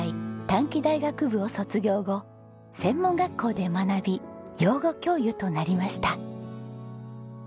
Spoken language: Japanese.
短期大学部を卒業後専門学校で学び養護教諭となりました。